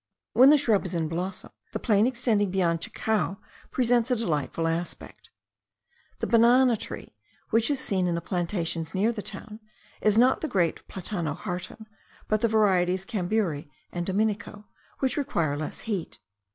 When the shrub is in blossom, the plain extending beyond Chacao presents a delightful aspect. The banana tree, which is seen in the plantations near the town, is not the great Platano harton; but the varieties camburi and dominico, which require less heat.